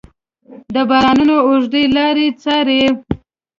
د بارانونو اوږدې لارې څارې